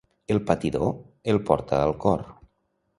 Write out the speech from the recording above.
El patidor el porta al cor.